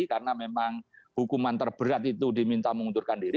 karena memang hukuman terberat itu diminta mengundurkan diri